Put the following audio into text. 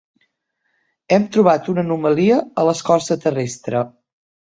Hem trobat una anomalia a l'escorça terrestre.